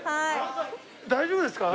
大丈夫ですか？